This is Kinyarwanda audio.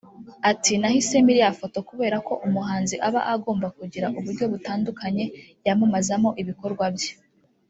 Ati” Nahisemo iriya foto kubera ko umuhanzi aba agomba kugira uburyo butandukanye yamamazamo ibikorwa bye